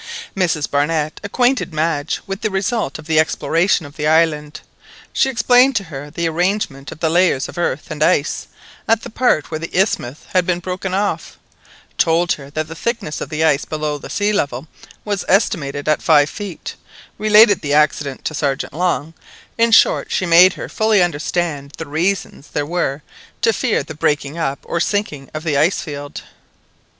Mrs Barnett acquainted Madge with the result of the exploration of the island. She explained to her the arrangement of the layers of earth and ice at the part where the isthmus had been broken off; told her that the thickness of the ice below the sea level was estimated at five feet; related the accident to Sergeant Long—in short, she made her fully understand the reasons there were to fear the breaking up or sinking of the ice field.